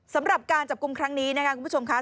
สำหรับการจับกลุ่มครั้งนี้นะคะคุณผู้ชมค่ะ